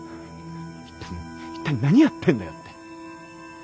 一体何やってんだよって。